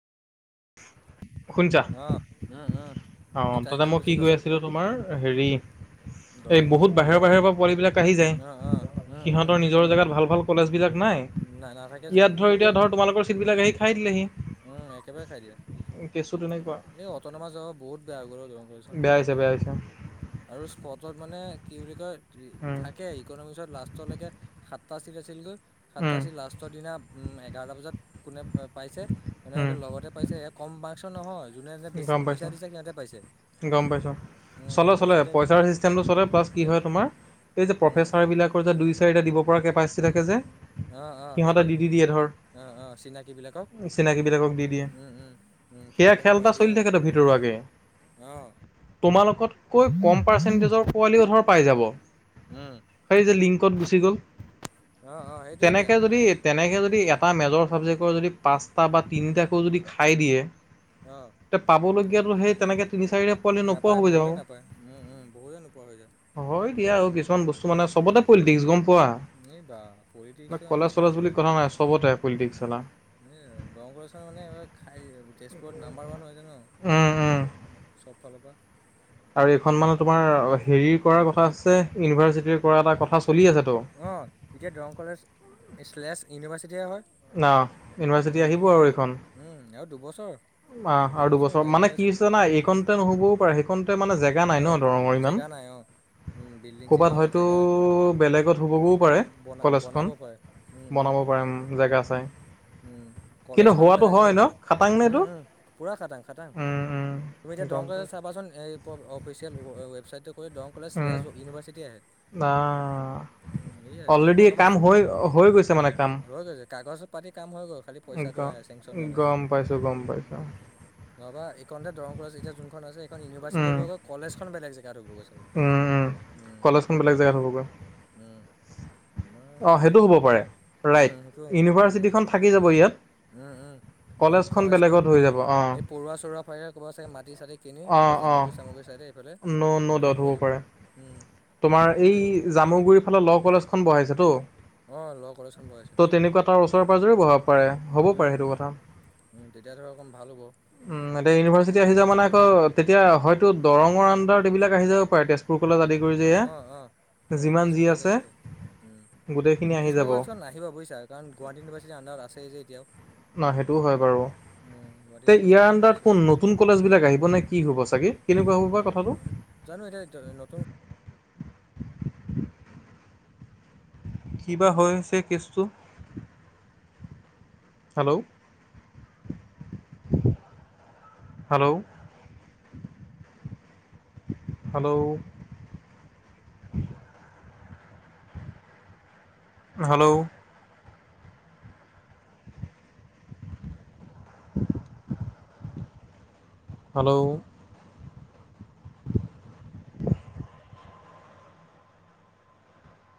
অ', উম, উম। সেই অ', তাতে টাইমডাল মই গুচি কি গ'ল কৈ আছিলো তোমাৰ হেৰি এই দৰঙৰ অ', বহুত বাহিৰৰ বাহিৰৰ পৰা পোৱালি বিলাক আহি যায় অ', উম, উম, সিহঁতৰ নিজৰ জেগাত ভাল ভাল চিটবিলাক নাই না নাথাকে যে ইয়াত ধৰ এতিয়া ধৰ তোমালোকৰ চিটবিলাক আহি খাই দিলেহি। উম, একেবাৰে খাই দিয়ে কেচটো তেনেকুৱা এই অটন'মাজ বহুত বেয়া হৈ গ'ল দৰং [unintelligible] বেয়া হৈছে বেয়া হৈছে আৰু স্পটত মানে কি বুলি কয় উম, থাকে ইকনমিকছত লাষ্টলৈকে সাতটা চিট আছিলগৈ সাতটা উম, চিট লাষ্টৰ দিনা উম, এঘাৰটা বজাত কোনে পা মানে উম, একে লগতে পাইছে এ কম মাৰ্কচৰ নহয় যোনে-যোনে বেছি গম পইচা পাইছোঁ দিছে সিহঁতে পাইছে। গম পাইছো, উম, চলে চলে পইচা দিয়াকে পইচাৰ চিষ্টেমটো চলে প্লাছ কি এই হয় তোমাৰ এই যে উম, প্ৰফেচাৰ বিলাকৰ যে দুই-চাৰিটা দিব পৰা কেপাচিটি থাকে যে অ', অ', সিহঁতে সেইটো দি-দি দিয়ে ধৰ অ', অ', চিনাকী বিলাকক চিনাকিবিলাকক দি উম, দিয়ে উম, উম, সেয়া কিবা এ খেল এটা চলি থাকেতো ভিতৰুৱাকে। অঁ তোমালোকতকৈ কম পাৰ্চেন্টেজৰ পোৱালিও ধৰ পাই যাব। উম সই যে লিংকত গুচি গ'ল অঁ অঁ সেইটোৱে বেয়া তেনেকে যদি তেনেকে যদি যদি এটা মেজৰ চাবজেক্টৰ যদি পাঁচটা বা তিনিটাকৈ যদিও খাই দিয়ে, অঁ ত' পাবলগীয়াটোও সেই তেনেকে তিনি চাৰিটা পোৱালি নোপোৱা নাপায় হৈ যাব। বহুতে নাপায় উম, উম, বহুতে নোপোৱা হৈ যায়। এয়া আৰু কিছুমান বস্তু মানে চবতে পলিটিক্স গ'ম পোৱা। এই বা পলিটিক্সটো মানে খাই কলেজ-চলেছ বুলি কথা নাই চবতে পলিটিক্স। [unintelligible] এ দৰংগ [unintelligible] মানে খাই তেজপুৰ নাম্বাৰ ওৱান হৈছে উম উম। ন' চব ফালৰ পৰা। আৰু এইখন মানে তোমাৰ হেৰি কৰাৰ কথা আছে ইউনিভাৰ্চিটিৰ কৰাৰ এটা কথা চলি আছেতো। অ', এতিয়া দৰং কলেজ শ্লেছ ইউনিভাৰ্চিটিহে হয়। অ', ইউনিভাৰ্চিটি উম আহিব আৰু এইখন। উম আৰু দুবছৰ অ', আৰু দুবছৰ হয় মানে কি ইউনিভাৰ্চিটি হৈছে জানা এইকণতে নহ'বও পাৰে সেইকণতে মানে জে গা নাই অঁ ন' দৰঙৰ ইমান? জেগা নাই অঁ বিল্ডিং ক'বাত চিল্ডিঙৰ হয়তো জেগা বেলেগত হ'বগৈও পাৰে বনা বনাব কলেজখন পাৰে উম বনাব হ'ব পাৰে উম, জেগা উম, চাই উম, কিন্তু কলেজখন হোৱাটো বেলেগ হয় জেগাত ন' খাটাং নে উম, এইটো? উম, পূৰা খাটাং খাটাং উম, তুমি এতিয়া উম, দৰং গম পাই কলেজৰ চাবাচোন এই অফিচিয়েল ৱেবছাইটটো দংৰ কলেজ লেছ ইউনিভাৰ্চিটি আহে। আ, উম, সেয়াই অলৰেডি অট'নমাছ কাম হৈ হৈ গৈছে মানে কাম। হৈ গৈছে কাগজ পাতি কাম হৈ গ'ল খালি গ পইচাটো আহে চেংচন হোৱা নাই গম চাগে পাইছোঁ গম পাইছোঁ উম। নহবা এইখননেতে দৰং কলেজ এতিয়া যোনখন আছে এখন ইউনিভাৰ্চিটিত উম, কলেজ খন বেলেগ জেগাত হ'ব গৈছে। কলেজখন বেলেগ জেগাত হ'বগৈ। উম, আমাৰ অ' সেইটো হ'ব পাৰে ৰাইট উম, সেইটোৱে উম, ইউনিভাৰ্চিটিখন থাকি যাব ইয়াত। উম উম দৰং কলেজখন বেলেগত হৈ যাব অ এই পৰুৱা চৰুৱা ফাইৰে ক'ব চাগে মাটি চাটি কিনি অ নব অ জামুগুৰি চামুগুৰি চাইদে এইফালে ন' ন' ডাউট সফালে হ'ব কৰি দিব পাৰে। আৰু। তোমাৰ এই জামুগুৰি ফালে ল কলেজখন বহাইছেতো। অঁ ল কলেজখন বহাইছে ত' তেনেকুৱা তাৰ ওচৰে পাজৰে বভাব পাৰে হ'বও পাৰে উম সেইটো উম কথা। উম তেতিয়া ধৰা অকণ ভাল হ'ব। উম এতিয়া ইউনিভাৰ্চিটি আহি উম যা মানে আকৌ এতিয়া হয়তো দৰঙৰ আনডাৰত এইবিলাক আহি যাব পাৰে তেজপুৰ কলেজ আদি কৰি অঁ অঁ এয়া। উম যিমান তেজপুৰ যি কলেজ আছে। আহিব পাৰে উম গোটেইখিনি আহি তেজপুৰ যাব কলেজখন নাহিব বুজিছা কাৰণ গুৱাহাটী ইউনিভাৰ্চিটিৰ আনডাৰত আছেই যে এতিয়াও। ন সেইটোও হয় বাৰু। উম গুৱাহাটী তে ইউনিভাৰ্চিটিৰ ইয়াৰ আণ্ডাৰত আছে কোন নতুন কলেজ বিলাক আহিব নে কি হব চাগে কেনেকুৱা হ'ব বা কথাটো। জানো এতিয়া নতুন কিবা হৈছে কেছটো। Hello. Hello. Hello. Hello. [unintelligible] Hello [unintelligible]